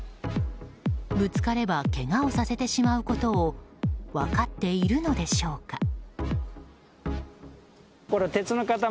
ぶつかればけがをさせてしまうことを分かっているのでしょうか。